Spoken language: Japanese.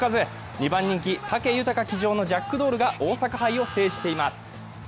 ２番人気、武豊騎乗のジャックドールが大阪杯を制しています。